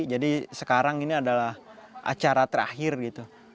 jadi sekarang ini adalah acara terakhir gitu